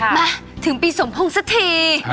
มาถึงปีสมพงษ์สักที